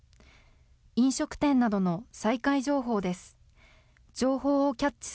飲食店などの再開情報です。